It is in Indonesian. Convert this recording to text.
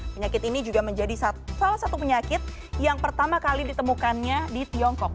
penyakit ini juga menjadi salah satu penyakit yang pertama kali ditemukannya di tiongkok